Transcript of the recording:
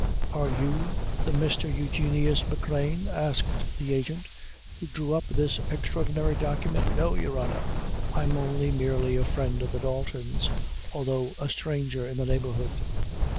"Are you the Mr. Eugenius McGrane," asked the agent, "who drew up this extraordinary document?" "No, your honor; I'm only merely a friend of the Daltons, although a stranger in the neighborhood."